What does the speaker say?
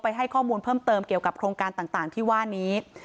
ให้ข้อมูลเพิ่มเติมเกี่ยวกับโครงการต่างที่ว่านี้